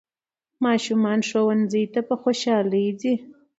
ماشومان ښوونځي ته په خوشحالۍ ځي